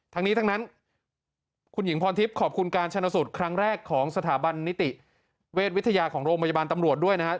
ทั้งนี้ทั้งนั้นคุณหญิงพรทิพย์ขอบคุณการชนะสูตรครั้งแรกของสถาบันนิติเวชวิทยาของโรงพยาบาลตำรวจด้วยนะครับ